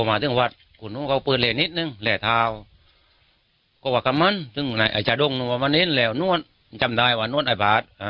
ฮ่าข้อก็ไหวท่องเหราะติดแล้วครับ